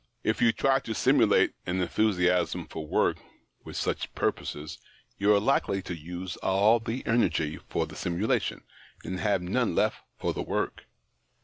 If you try to simulate an enthusiasm for work with such purposes, you arc likely to use up all the energy for the simulation, and have none left for the work.